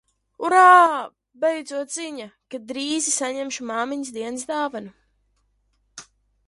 Urā, beidzot ziņa, ka drīzi saņemšu māmiņas dienas dāvanu.